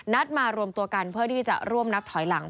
มารวมตัวกันเพื่อที่จะร่วมนับถอยหลัง